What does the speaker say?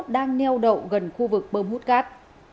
đang neo đậu gần khu vực bơm hút cát